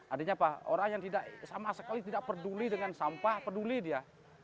artinya apa orang yang tidak sama sekali tidak peduli dengan sampah peduli dia